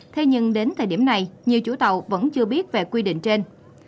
thế nhưng đến thời điểm này nhiều chủ tàu vẫn chưa biết về quy định trên